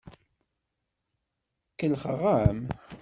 Kellḥeɣ-am.